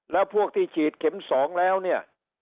แล้วพวกที่ฉีดเข็ม๒แล้วเนี่ย